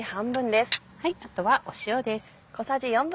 あとは塩です。